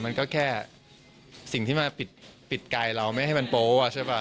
มันก็แค่สิ่งที่มาปิดกายเราไม่ให้มันโป๊ะใช่ป่ะ